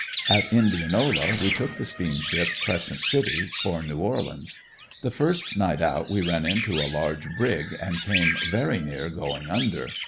At Indianola we took the Steamship "Crescent City" for New Orleans. The first night out we ran into a large Brig and came very near going under.